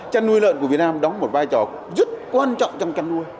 chăn nuôi lợn của việt nam đóng một vai trò rất quan trọng